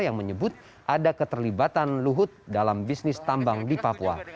yang menyebut ada keterlibatan luhut dalam bisnis tambang di papua